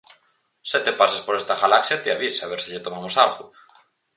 Se te pasas por esta galaxia, ti avisa, a ver se lle tomamos algo.